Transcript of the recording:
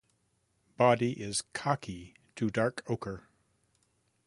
Body is khaki to dark ocher.